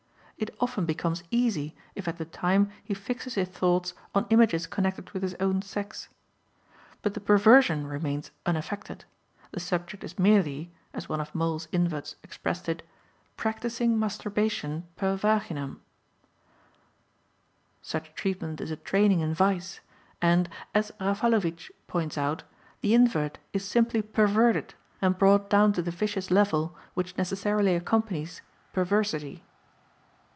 It often becomes easy if at the time he fixes his thoughts on images connected with his own sex. But the perversion remains unaffected; the subject is merely (as one of Moll's inverts expressed it) practising masturbation per vaginam. Such treatment is a training in vice, and, as Raffalovich points out, the invert is simply perverted and brought down to the vicious level which necessarily accompanies perversity.